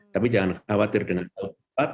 tapi jangan khawatir dengan cepat